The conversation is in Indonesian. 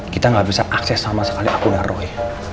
kita gak bisa akses sama sekali aku dan roy